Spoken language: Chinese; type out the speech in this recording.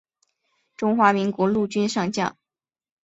中华民国陆军上将。